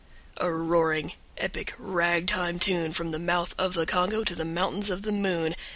# A roaring, epic, rag time tune From the mouth of the Congo To the Mountains of the Moon.